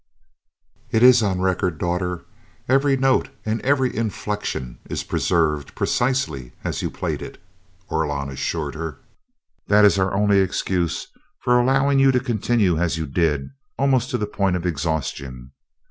"It is on record, daughter. Every note and every inflection is preserved, precisely as you played it," Orlon assured her. "That is our only excuse for allowing you to continue as you did, almost to the point of exhaustion.